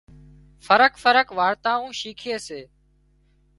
فرق فرق وارتائون شيکي سي